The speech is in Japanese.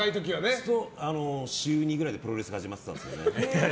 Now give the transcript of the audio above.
週２ぐらいでプロレス始まってたんですよね。